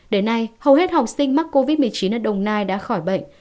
đến nay hầu hết học sinh mắc covid một mươi chín ở đồng nai đã khỏi bệnh